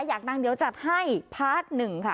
อยากดังเดี๋ยวจัดให้พาร์ทหนึ่งค่ะ